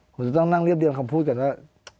ผมจะต้องนั่งเรียบเรียมคำพูดกันว่า